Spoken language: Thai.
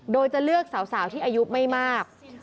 โดยจะเลือกสาวที่อายุไม่มาก